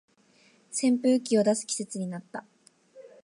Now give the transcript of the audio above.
扇風機を出す季節になった